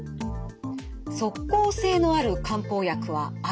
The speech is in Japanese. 「即効性のある漢方薬はある？」。